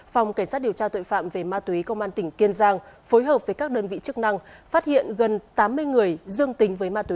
phòng cảnh sát điều tra tội phạm về ma túy công an tỉnh kiên giang phối hợp với các đơn vị chức năng phát hiện gần tám mươi người dương tính với ma túy